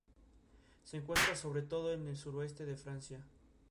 Dependiendo de la vía de administración es posible usar distintos excipientes.